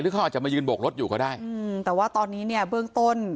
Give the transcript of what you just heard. เขาอาจจะมายืนโบกรถอยู่ก็ได้อืมแต่ว่าตอนนี้เนี่ยเบื้องต้น